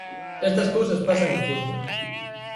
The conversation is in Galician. Estas cousas pasan no fútbol.